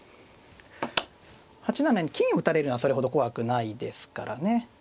８七に金を打たれるのはそれほど怖くないですからね。